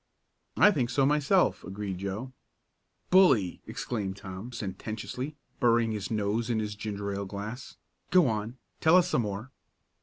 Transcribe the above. "I think so myself," agreed Joe. "Bully!" exclaimed Tom sententiously, burying his nose in his ginger ale glass. "Go on, tell us some more."